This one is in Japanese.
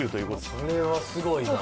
それはすごいな。